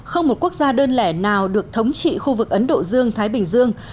không một quốc gia đơn lẻ nào được thống trị khu vực ấn độ dương thái bình dương